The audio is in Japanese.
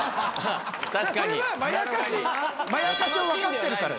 それはまやかしを分かってるから。